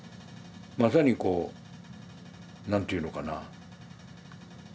まさにこう何ていうのかな？